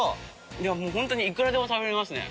いやもうホントにいくらでも食べれますね。